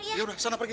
yaudah sana pergi